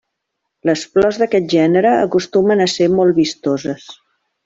Les flors d'aquest gènere acostumen a ser molt vistoses.